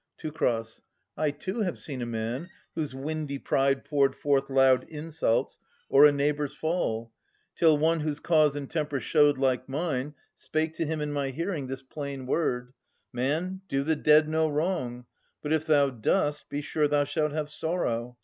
Teu. I too have seen a man whose windy pride Poured forth loud insults o'er a neighbour's fall. Till one whose cause and temper showed like mine Spake to him in my hearing this plain word :' Man, do the dead no wrong ; but, if thou dost, Be sure thou shalt have sorrow.'